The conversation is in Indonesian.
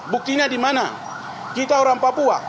buktinya dimana kita orang papua